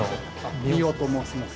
三尾と申します。